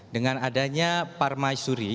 dengan adanya parma suri